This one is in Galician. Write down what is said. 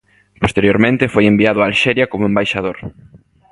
Posteriormente foi enviado a Alxeria como embaixador.